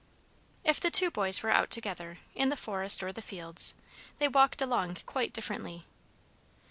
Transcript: If the two boys were out together, in the forest or the fields, they walked along quite differently.